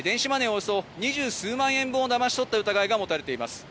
およそ２０数万円分をだまし取った疑いが持たれています。